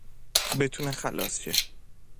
بتونه خالص شه